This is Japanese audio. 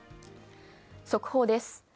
速報です。